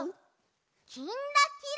「きんらきら」。